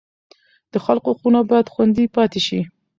د خلکو حقونه باید خوندي پاتې شي.